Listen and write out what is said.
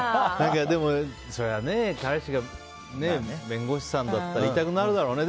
そりゃ、彼氏が弁護士さんだったら言いたくなるだろうね。